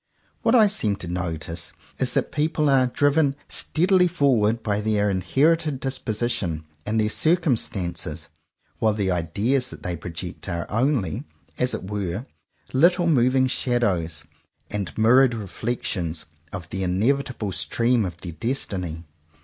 What I seem to notice is that people are driven steadily forward by their inherited disposition and their circumstances; while the *'ideas" that they project are only, as it were, little moving shadows and mirrored reflections of the inevitable stream of their destiny.